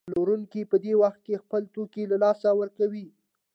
پلورونکی په دې وخت کې خپل توکي له لاسه ورکوي